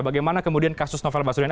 bagaimana kemudian kasus novel baswedan